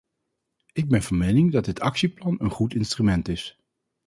Ik ben van mening dat dit actieplan een goed instrument is.